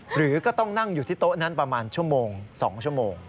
หรือก็ต้องนั่งอยู่ที่โต๊ะนั้นประมาณชั่วโมง๒ชั่วโมง